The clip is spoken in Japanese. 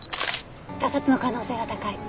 他殺の可能性が高い。